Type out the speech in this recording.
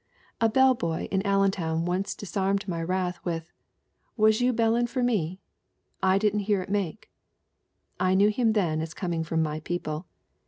"A bellboy in Allen town once disarmed my wrath with, 'Was you bellin' for me? I didn't hear it make.' I knew him then as coming from my people.